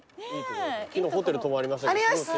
昨日ホテル泊まりましたけど。